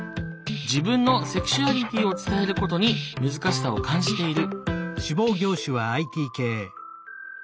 自分のセクシュアリティーを伝えることに難しさを感じている。